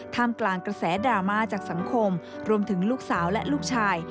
กลางกระแสดราม่าจากสังคมรวมถึงลูกสาวและลูกชาย